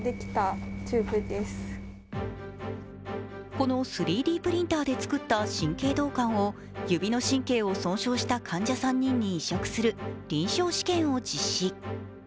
この３Ｄプリンターで作った神経導管を指の神経を損傷した患者さんに移植する臨床試験を実施。